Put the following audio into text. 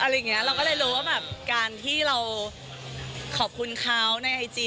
เราก็ได้รู้การที่เราขอบคุณเขาในไอจี